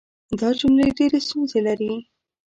دا جملې ډېرې ستونزې لري.